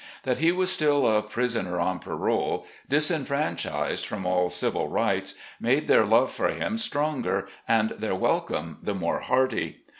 That he was still "a prisoner on parole," disfranchised from all civil rights, made their love for him stronger and their welcome the more hearty.